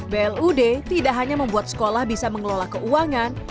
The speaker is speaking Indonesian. blud tidak hanya membuat sekolah bisa mengelola keuangan